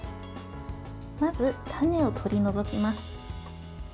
まず、種を取り除きます。